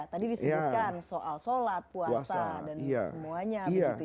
tadi disebutkan soal sholat puasa dan semuanya